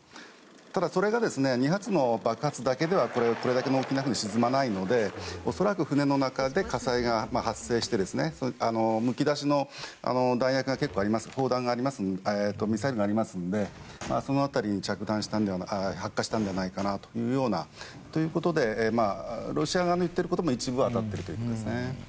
ただ、２発の爆発だけではこれだけの大きな船は沈まないので恐らく船の中で火災が発生してむき出しのミサイルが結構ありますのでその辺りが発火したのではないかということでロシア側の言っていることも一部は当たっているということですね。